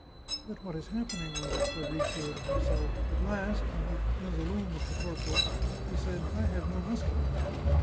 "But what is happening?" wondered Fabrizio to him self. At last, when he was alone with the corporal, he said, " I have no musket."